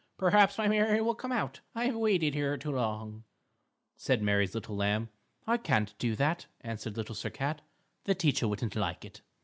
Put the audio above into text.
Perhaps my Mary will come out, I've waited here so long,_" said Mary's Little Lamb. "I can't do that," answered Little Sir Cat, "the teacher wouldn't like it."